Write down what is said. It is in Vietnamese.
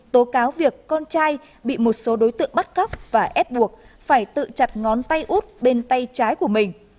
tố cáo việc con trai bị một số đối tượng bắt cóc và ép buộc phải tự chặt ngón tay út bên tay trái của mình